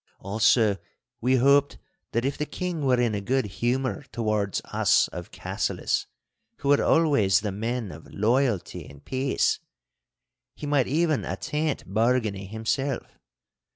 Also we hoped that if the king were in a good humour towards us of Cassillis, who were always the men of loyalty and peace, he might even attaint Bargany himself.